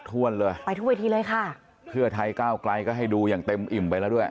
หนูเอามาให้ดูเต็มอิ่มไปแล้วด้วย